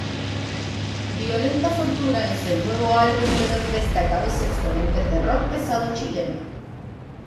Violenta Fortuna es el nuevo álbum de los destacados exponentes de rock pesado chileno.